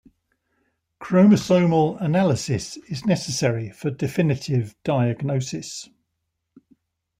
Chromosomal analysis is necessary for definitive diagnosis.